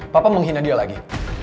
papa menghina dia lagi